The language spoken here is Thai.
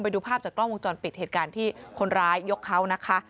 ดูภาพจากกล้องวงจรปิดเหตุการณ์ที่คนร้ายยกเขานะคะ